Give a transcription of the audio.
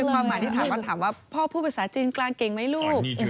ความหมายที่ถามก็ถามว่าพ่อพูดภาษาจีนกลางเก่งไหมลูก